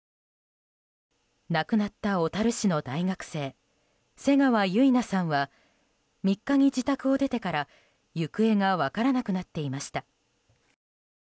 亡くなった小樽市の大学生瀬川結菜さんは３日に自宅を出てから行方が分からなくなっていました。